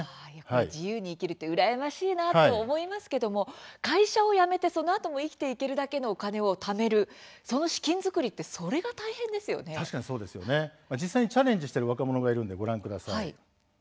自由に生きるのは羨ましいなと思いますが会社を辞めてそのあとも生きていけるだけのお金をためる実際にチャレンジしている若者がいるのでご覧ください。